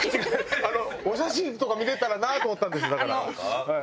お写真とか見れたらなと思ったんですだから。